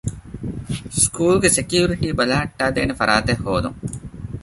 ސްކޫލުގެ ސެކިއުރިޓީ ބަލަހައްޓައިދޭނެ ފަރާތެއް ހޯދުން